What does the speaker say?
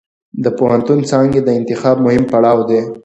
د پوهنتون څانګې د انتخاب مهم پړاو دی.